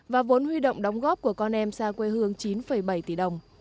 và vốn huy động đóng góp của con em xa quê hương chín bảy tỷ đồng